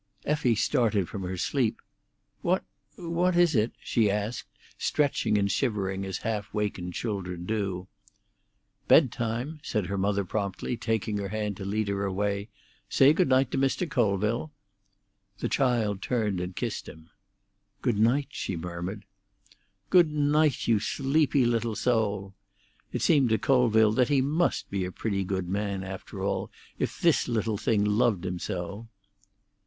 Effie started from her sleep. "What—what is it?" she asked, stretching and shivering as half wakened children do. "Bed time," said her mother promptly, taking her hand to lead her away. "Say good night to Mr. Colville." The child turned and kissed him. "Good night," she murmured. "Good night, you sleepy little soul!" It seemed to Colville that he must be a pretty good man, after all, if this little thing loved him so.